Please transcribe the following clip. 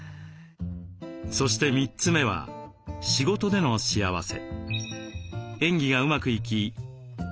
そして３つ目は仕事での幸せ。